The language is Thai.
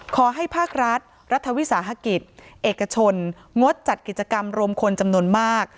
ขอให้ภาครัฐรัฐวิสาหกิจเอกชนงดจัดกิจกรรมรวมคนจำนวนมาก